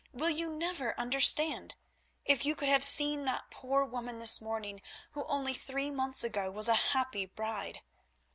Will you never understand? If you could have seen that poor woman this morning who only three months ago was a happy bride."